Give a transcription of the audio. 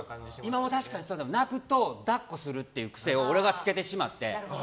今は確かに泣くと抱っこするという癖を俺がつけてしまって。